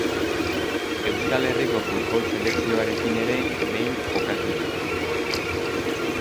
Euskal Herriko futbol selekzioarekin ere behin jokatu du.